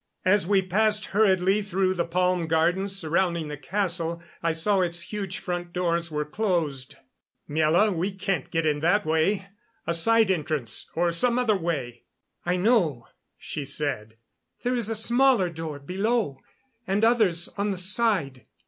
As we passed hurriedly through the palm gardens surrounding the castle I saw its huge front doors were closed. "Miela, we can't get in that way. A side entrance or some other way " "I know," she said. "There is a smaller door below, and others on the side."